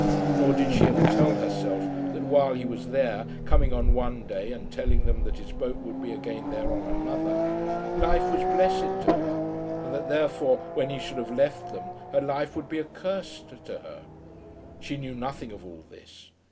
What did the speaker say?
Nor did she ever tell herself that while he was there, coming on one day and telling them that his boat would be again there on another, life was blessed to her, and that, therefore, when he should have left them, her life would be accursed to her. She knew nothing of all this.